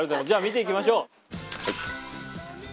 じゃあ見ていきましょう。